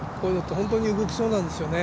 本当に動きそうなんですよね。